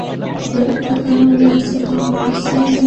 ব্যাপারটা কেমন লাগছে তোমার কাছে, নরম্যান?